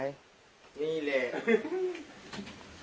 นี่เลย